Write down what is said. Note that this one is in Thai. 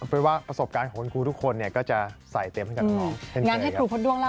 เลยเป็นแล้วประสบการณ์ของครูทุกคนจะใส่ให้ด้วย